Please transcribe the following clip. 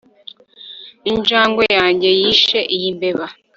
Injangwe yanjye yishe iyi mbeba